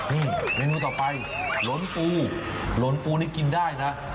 นี่เมนูต่อไปหลนปูหลนปูนี่กินได้นะ